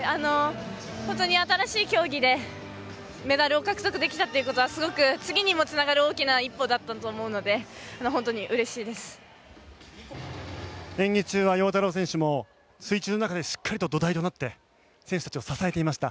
本当に新しい競技でメダルを獲得できたということはすごく次にもつながる大きな一歩だと思いますので演技中は陽太郎選手も水中の中でしっかり土台となって選手たちを支えていました。